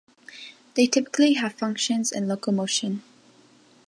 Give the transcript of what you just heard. They typically have functions in locomotion.